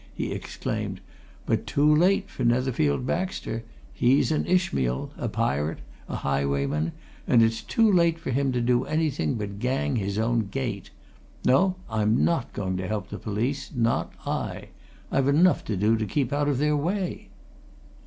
he exclaimed. "But too late for Netherfield Baxter. He's an Ishmael! a pirate a highwayman and it's too late for him to do anything but gang his own gait. No! I'm not going to help the police not I! I've enough to do to keep out of their way."